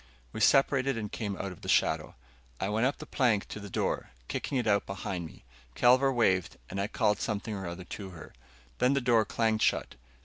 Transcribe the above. We separated and came out of the shadow. I went up the plank to the door, kicking it out behind me. Kelvar waved, and I called something or other to her. Then the door clanged shut.